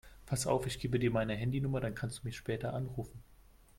Pass auf, ich gebe dir meine Handynummer, dann kannst du mich später anrufen.